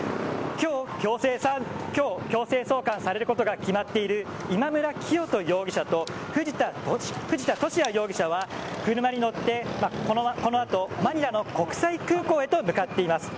今日、強制送還されることが決まっている今村磨人容疑者と藤田聖也容疑者は車に乗ってこの後、マニラの国際空港へと向かってます。